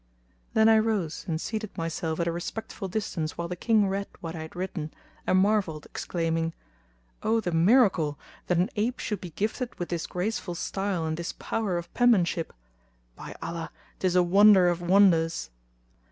[FN#242] Then I rose and seated myself at a respectful distance while the King read what I had written, and marvelled, exclaiming, "O the miracle, that an ape should be gifted with this graceful style and this power of penmanship! By Allah, 'tis a wonder of wonders!"